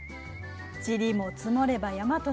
「塵も積もれば山となる」。